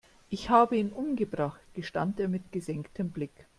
Ich habe ihn umgebracht, gestand er mit gesenktem Blick.